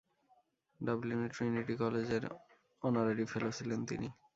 ডাবলিনের Trinity College এর honorary fellow ছিলেন তিনি।